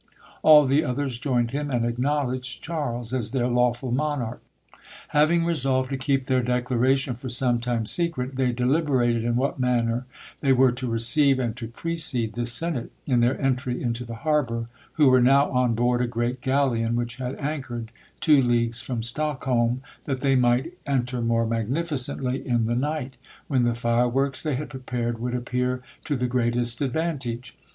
All the others joined him, and acknowledged Charles as their lawful monarch. Having resolved to keep their declaration for some time secret, they deliberated in what manner they were to receive and to precede this senate in their entry into the harbour, who were now on board a great galleon, which had anchored two leagues from Stockholm, that they might enter more magnificently in the night, when the fireworks they had prepared would appear to the greatest advantage.